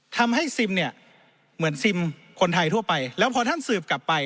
ทำให้ซิมเนี่ยเหมือนซิมคนไทยทั่วไปแล้วพอท่านสืบกลับไป